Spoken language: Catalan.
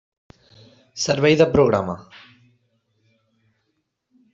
Servei de Programa.